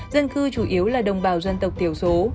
dân cư chủ yếu là đồng bào dân tộc thiểu số